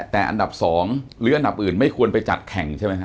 แต่อันดับ๒หรืออันดับอื่นไม่ควรไปจัดแข่งใช่ไหมฮ